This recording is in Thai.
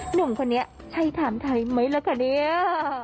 หนุ่มคนนี้ใช่ถามไทยไหมล่ะคะเนี่ย